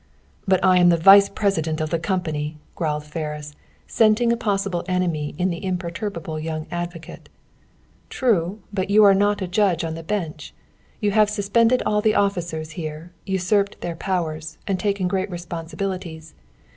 "But I am the vice president of the company," growled Ferris, scenting a possible enemy in the imperturbable young advocate. "True, but you are not a judge on the bench. You have suspended all the officers here, usurped their powers, and taken great responsibilities.